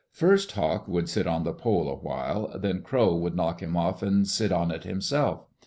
First Hawk would sit on the pole a while, then Crow would knock him off and sit on it himself.